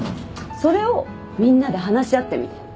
それをみんなで話し合ってみて。